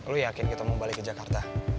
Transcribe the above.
lu yakin kita mau balik ke jakarta